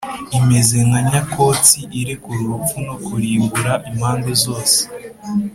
imeze nka nyakotsi irekura urupfu no kurimbura impande zose.